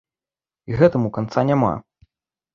І гэтаму канца няма.